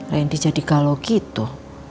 ren di jadi galau gitu